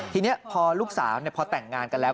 ทีนี้พอลูกสาวพอแต่งงานกันแล้ว